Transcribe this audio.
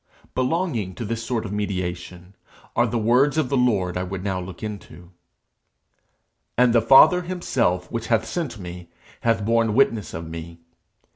Belonging to this sort of mediation are the words of the Lord I would now look into. 'And the Father himself which hath sent me, hath borne witness of me.